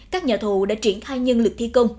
các nhà thầu đã triển khai nhân lực thi công